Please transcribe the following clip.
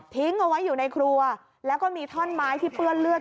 เอาไว้อยู่ในครัวแล้วก็มีท่อนไม้ที่เปื้อนเลือด